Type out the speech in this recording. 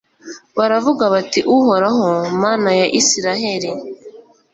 baravuga bati uhoraho, mana ya israheli